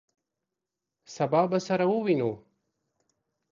سبا به سره ووینو!